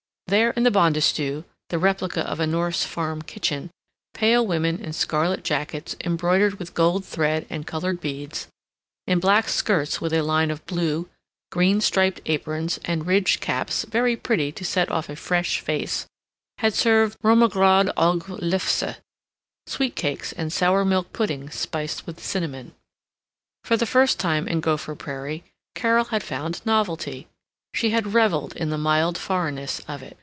There, in the bondestue, the replica of a Norse farm kitchen, pale women in scarlet jackets embroidered with gold thread and colored beads, in black skirts with a line of blue, green striped aprons, and ridged caps very pretty to set off a fresh face, had served rommegrod og lefse sweet cakes and sour milk pudding spiced with cinnamon. For the first time in Gopher Prairie Carol had found novelty. She had reveled in the mild foreignness of it.